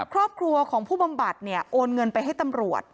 ครอบครัวของผู้บำบัดเนี่ยโอนเงินไปให้ตำรวจ